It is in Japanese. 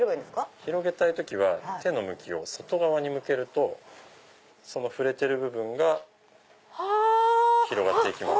広げたい時は手の向きを外側に向けると触れてる部分が広がって行きます。